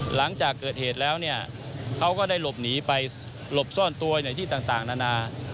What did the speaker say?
หลังจากเกิดเหตุแล้วเขาก็ลบหนีไปลบซ่อนตัวที่ต่างนานา